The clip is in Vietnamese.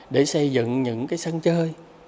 để xây dựng những sân chơi